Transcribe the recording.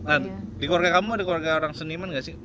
an di keluarga kamu ada keluarga orang seniman gak sih